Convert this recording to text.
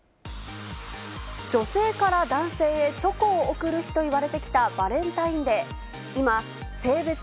女性から男性へチョコを贈る日といわれてきたバレンタインデー。